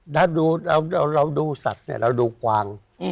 ถ้าเราดูสัตว์เนี่ยเราดูกวาง